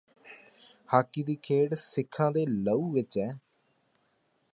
hockey ਦੀ ਖੇਡ ਸਿੱਖਾਂ ਦੇ ਲਹੂ ਵਿਚ ਹੈ